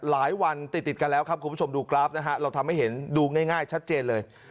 หลายวันติดติดกันแล้วครับคุณผู้ชมดูกราฟนะฮะเราทำให้เห็นดูง่ายชัดเจนเลย